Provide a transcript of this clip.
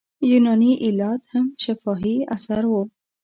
یوناني ایلیاد هم شفاهي اثر و.